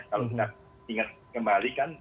kalau kita ingat kembali kan